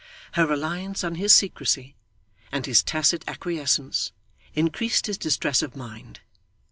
Her reliance on his secrecy, and his tacit acquiescence, increased his distress of mind.